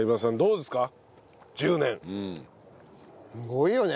すごいよね。